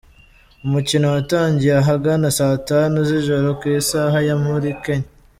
Umukino watangiye ahagana saa tanu z’ijoro ku isaha yo muri Kenya.